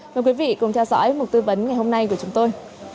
mời quý vị cùng theo dõi một tư vấn ngày hôm nay của chúng tôi